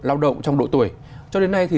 lao động trong độ tuổi cho đến nay thì